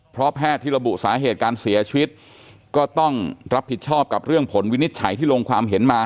เพราะแพทย์ที่ระบุสาเหตุการเสียชีวิตก็ต้องรับผิดชอบกับเรื่องผลวินิจฉัยที่ลงความเห็นมา